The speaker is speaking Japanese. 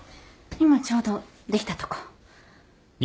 今ちょうどできたとこ。